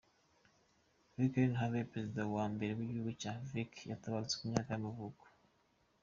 Václav Havel, perezida wa mbere w’igihugu cya Czech yaratabarutse, ku myaka y’amavuko.